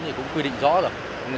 thì cũng quy định rõ ràng